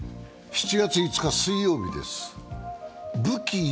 ７月５日水曜日です。